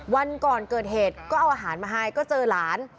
วันก่อนเกิดเหตุก็เอาอาหารมาให้ก็เจอหลาน